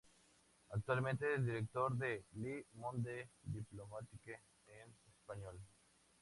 Actualmente es director de "Le Monde diplomatique en español".